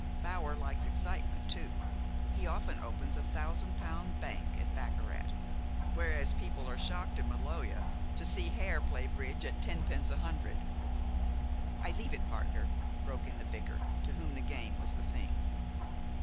Bower likes excitement too. He often opens a thousand pound bank at baccarat, whereas people are shocked in Maloja at seeing Hare play bridge at tenpence a hundred." "I leave it, partner," broke in the vicar, to whom the game was the thing.